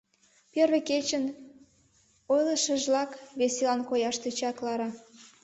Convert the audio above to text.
— Первый кечын ойлышыжлак веселан кояш тӧча Клара.